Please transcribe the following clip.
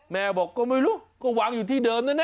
แม่บอกก็ไม่รู้ก็วางอยู่ที่เดิมนั้นนะ